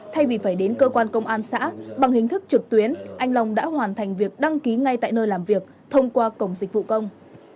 thay vì phải đến cơ quan công an xã bằng hình thức trực tuyến anh long đã hoàn thành việc đăng ký ngay tại nơi làm việc thông qua cổng dịch vụ công